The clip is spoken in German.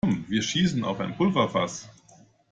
Kommt, wir schießen auf ein Pulverfass!